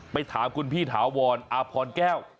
ไปถามคุณพี่ถาวรอาพรแก้ว